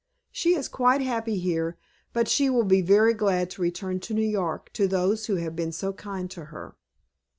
She is quite happy here, but she will be very glad to return to New York to those who have been so kind to her."